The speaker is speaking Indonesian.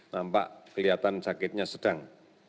nampak kelihatan sakitnya sedang